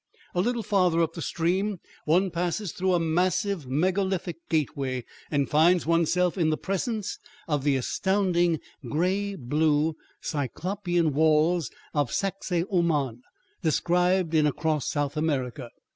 A little farther up the stream one passes through a massive megalithic gateway and finds one's self in the presence of the astounding gray blue Cyclopean walls of Sacsahuaman, described in "Across South America."